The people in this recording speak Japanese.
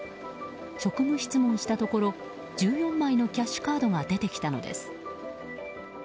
職務質問したところ１４枚のキャッシュカードが出てきたのです。